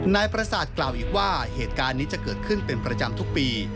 นายประสาทกล่าวอีกว่าเหตุการณ์นี้จะเกิดขึ้นเป็นประจำทุกปี